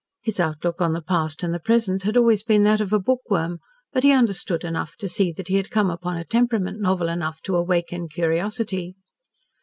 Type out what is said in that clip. His outlook on the past and the present had always been that of a bookworm, but he understood enough to see that he had come upon a temperament novel enough to awaken curiosity.